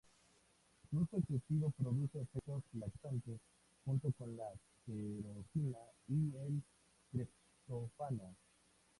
Su uso excesivo produce efectos laxantes, junto con la tirosina y el triptófano.